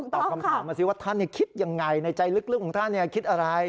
ตอบคำถามมาสิว่าท่านคิดยังไงในใจลึกของท่านคิดอะไร